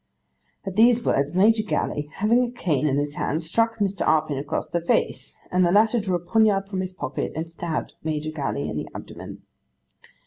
'At these words, Major Gally, having a cane in his hands, struck Mr. Arpin across the face, and the latter drew a poignard from his pocket and stabbed Major Gally in the abdomen.